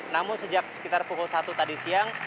namun sejak sekitar pukul satu tadi siang